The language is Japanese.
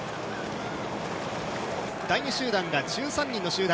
第２集団が１３人の集団。